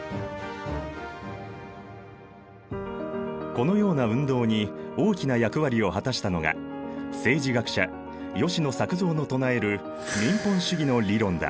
このような運動に大きな役割を果たしたのが政治学者吉野作造の唱える民本主義の理論だ。